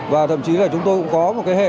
và thậm chí là chúng tôi cũng có một cái hệ